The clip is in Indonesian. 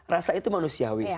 rasa itu manusiawi saya kira ya